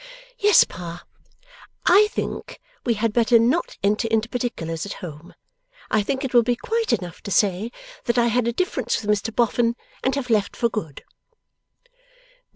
'Yes, Pa. I think we had better not enter into particulars at home. I think it will be quite enough to say that I had a difference with Mr Boffin, and have left for good.